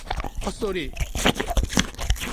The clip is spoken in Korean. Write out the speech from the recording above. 헛소리!